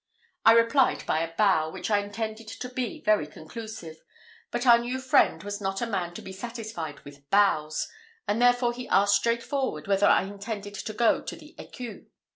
I replied by a bow, which I intended to be very conclusive; but our new friend was not a man to be satisfied with bows, and therefore he asked straightforward whether I intended to go to the Ecu.